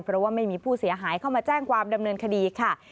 เพราะว่าไม่มีผู้เสียหายเข้ามาแจ้งความดำเนินคดีค่ะ